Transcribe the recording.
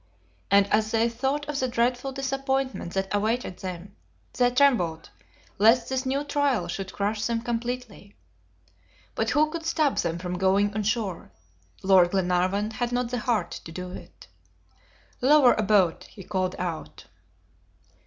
And as they thought of the dreadful disappointment that awaited them, they trembled lest this new trial should crush them completely. But who could stop them from going on shore? Lord Glenarvan had not the heart to do it. "Lower a boat," he called out.